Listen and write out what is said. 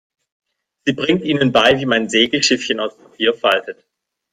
Sie bringt ihnen bei, wie man Segelschiffchen aus Papier faltet.